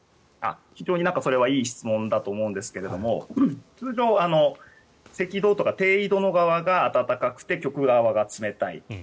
非常にそれはいい質問だと思うんですが通常、赤道とか低緯度の側が暖かくて極側が冷たい。